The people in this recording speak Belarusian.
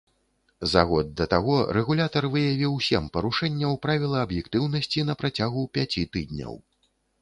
За год да таго рэгулятар выявіў сем парушэнняў правіла аб'ектыўнасці на працягу пяці тыдняў.